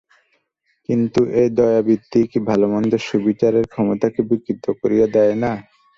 কিন্তু এই দয়াবৃত্তিই কি ভালো-মন্দ-সুবিচারের ক্ষমতাকে বিকৃত করিয়া দেয় না?